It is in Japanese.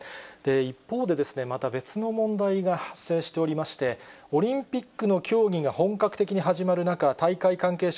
一方で、また別の問題が発生しておりまして、オリンピックの競技が本格的に始まる中、大会関係者